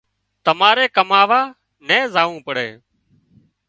تماري ڪماوا نين زاوون پڙي